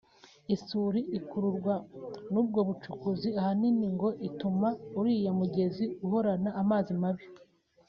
isuri ikururwa n’ubwo bucukuzi ahanini ngo ituma uriya mugezi uhorana amazi mabi